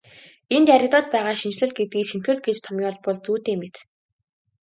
Энд яригдаад байгаа шинэчлэл гэдгийг шинэтгэл гэж томьёолбол зүйтэй мэт.